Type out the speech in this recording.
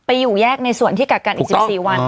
อยู่แยกในส่วนที่กักกันอีก๑๔วัน